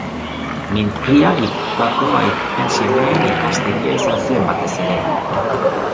Mintegia Gipuzkoako aitonen-semeen ikastegia izan zen batez ere.